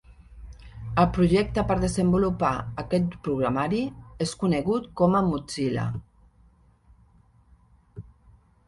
El projecte per desenvolupar aquest programari és conegut com a Mozilla.